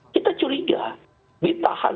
kita curiga ditahan